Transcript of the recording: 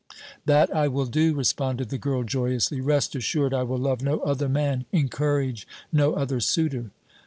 "That I will do," responded the girl, joyously. "Rest assured I will love no other man, encourage no other suitor!"